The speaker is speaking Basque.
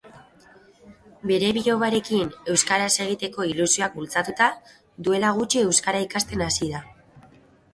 Bere bilobarekin euskaraz egiteko ilusioak bultzatuta, duela gutxi euskara ikasten hasi da.